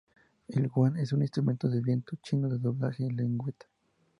El "guan" es un instrumento de viento chino de doble lengüeta.